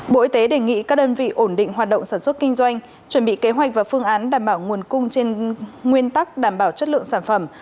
bộ y tế đề nghị các đơn vị ổn định hoạt động sản xuất kinh doanh chuẩn bị kế hoạch và phương án đảm bảo nguồn cung trên nguyên tắc đảm bảo chất lượng sản phẩm